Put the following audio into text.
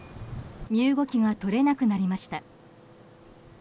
身動きが取れなくなりました。